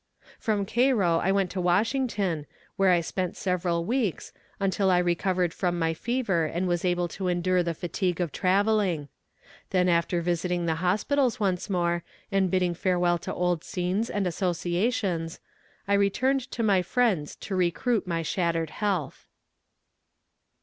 From Cairo I went to Washington, where I spent several weeks, until I recovered from my fever and was able to endure the fatigue of traveling. Then after visiting the hospitals once more, and bidding farewell to old scenes and associations, I returned to my friends to recruit my shattered health.